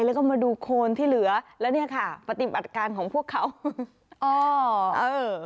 แล้วก็มาดูโคนที่เหลือแล้วเนี่ยค่ะปฏิบัติการของพวกเขาอ๋อเออ